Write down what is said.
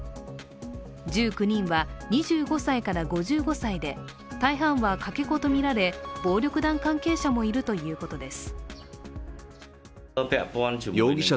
１９人は２５歳から５５歳で、大半はかけ子とみられ暴力団関係者もいるということです。